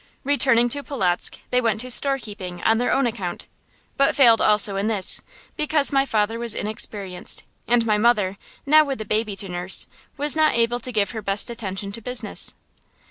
Returning to Polotzk they went to storekeeping on their own account, but failed in this also, because my father was inexperienced, and my mother, now with the baby to nurse, was not able to give her best attention to business.